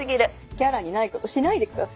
キャラにないことしないで下さい。